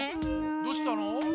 どうしたの？